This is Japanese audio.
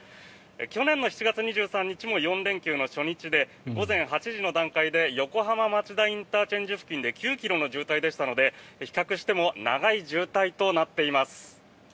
去年の７月２３日も４連休の初日で午前８時の段階で横浜町田ＩＣ付近で９ｋｍの渋滞でしたので比較しても長い渋滞となっています。